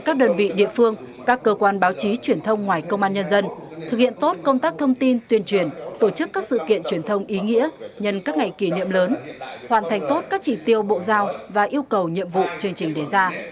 các đơn vị địa phương các cơ quan báo chí truyền thông ngoài công an nhân dân thực hiện tốt công tác thông tin tuyên truyền tổ chức các sự kiện truyền thông ý nghĩa nhân các ngày kỷ niệm lớn hoàn thành tốt các chỉ tiêu bộ giao và yêu cầu nhiệm vụ chương trình đề ra